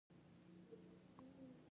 ایا زه باید پولیسو ته خبر ورکړم؟